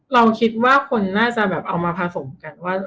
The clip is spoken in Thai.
เราคิดว่าคนน่าจะแบบเอามาผสมกันว่า